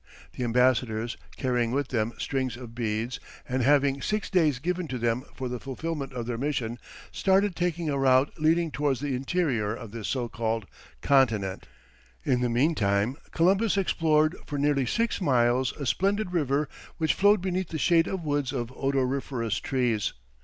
The ambassadors, carrying with them strings of beads, and having six days given to them for the fulfilment of their mission, started, taking a route leading towards the interior of this so called continent. In the meantime, Columbus explored for nearly six miles a splendid river which flowed beneath the shade of woods of odoriferous trees.